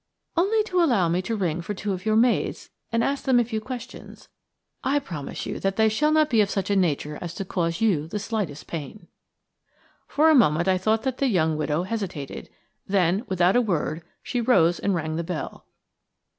"Only to allow me to ring for two of your maids and to ask them a few questions. I promise you that they shall not be of such a nature as to cause you the slightest pain." For a moment I thought that the young widow hesitated, then, without a word, she rose and rang the bell.